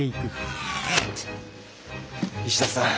石田さん